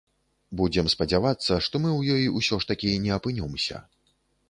Будзем спадзявацца, што мы ў ёй усё ж такі не апынёмся.